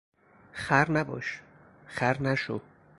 خر نباش، خر نشو!